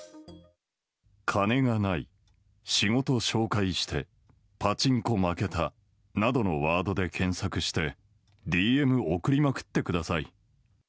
金がない、仕事紹介してパチンコ負けた、などのワードで検索してＤＭ送りまくってください。